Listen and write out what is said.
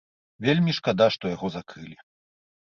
Вельмі шкада, што яго закрылі.